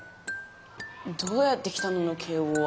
「どうやって来たの？」の敬語は。